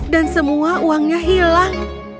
dan semua uangnya hilang